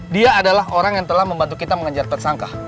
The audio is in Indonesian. dia adalah orang yang telah membantu kita mengejar tersangka